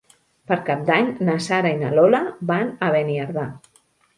Per Cap d'Any na Sara i na Lola van a Beniardà.